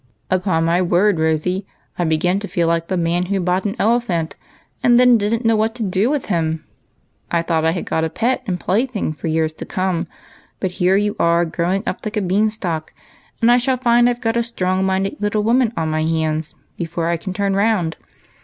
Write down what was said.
"Upon my word. Rosy, I begin to feel like the man who bought an elephant, and then didn't know what to do w4th him. I thought I had got a pet and plaything for years to come ; but here you are grow ing up like a bean stalk, and I shall find I 've got a strong minded little woman on my hands before I can turn round.